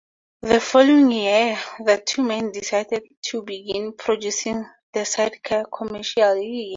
The following year, the two men decided to begin producing the sidecar commercially.